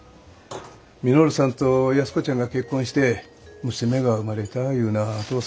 稔さんと安子ちゃんが結婚して娘が生まれたいうなあ